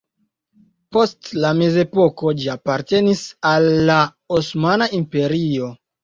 Post la mezepoko ĝi apartenis al la Osmana Imperio.